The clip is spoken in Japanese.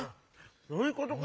そういうことか！